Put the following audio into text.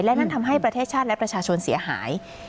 และนั่นทำให้ประเทศชาติและประชาชนเสียหาย